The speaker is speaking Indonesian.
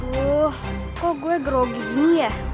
oh kok gue grogi gini ya